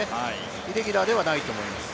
イレギュラーではないと思います。